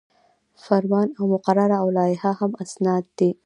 فرمان او مقرره او لایحه هم اسناد دي.